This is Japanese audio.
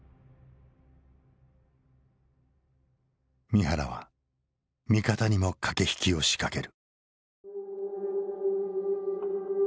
三原は味方にも駆け引きを仕掛ける。